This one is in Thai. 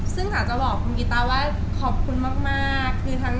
ซึ่งจ๋าจะบอกคุณกีตาว่าขอบคุณมาก